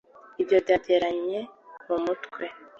ibyo byegeranye mu mutwe